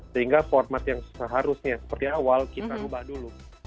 sehingga format yang seharusnya seperti awal kita ubah dulu